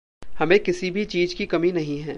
हमे किसी भी चीज़ की कमी नहीं है।